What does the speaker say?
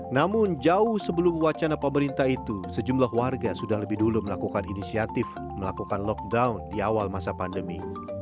namun jauh sebelum wacana pemerintah itu sejumlah warga sudah lebih dulu melakukan inisiatif melakukan lockdown di awal masa pandemi